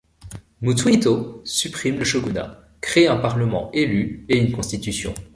Mutsuhito supprime le shogunat, crée un parlement élu et une constitution.